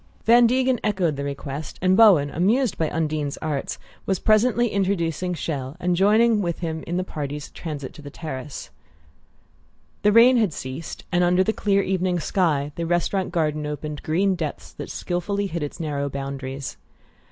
Van Degen echoed the request, and Bowen, amused by Undine's arts, was presently introducing Chelles, and joining with him in the party's transit to the terrace. The rain had ceased, and under the clear evening sky the restaurant garden opened green depths that skilfully hid its narrow boundaries.